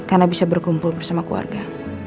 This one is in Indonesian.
karena bisa berkumpul bersama keluarga